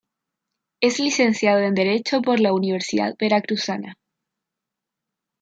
Es Licenciado en Derecho por la Universidad Veracruzana.